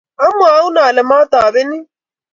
omwoun ale mwotobenin